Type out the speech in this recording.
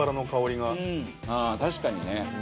ああ確かにね。